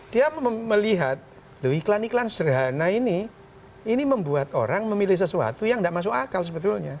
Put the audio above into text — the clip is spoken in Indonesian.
dia melihat loh iklan iklan sederhana ini ini membuat orang memilih sesuatu yang tidak masuk akal sebetulnya